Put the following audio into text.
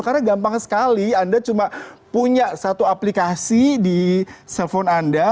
karena gampang sekali anda cuma punya satu aplikasi di cell phone anda